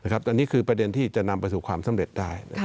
อันนี้คือประเด็นที่จะนำไปสู่ความสำเร็จได้